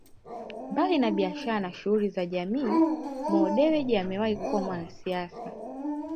Mbali na biashara na shughuli za jamii Mo Dewji amewahi kuwa mwanasiasa